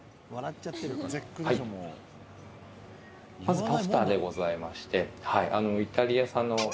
まずパスタでございましてイタリア産の。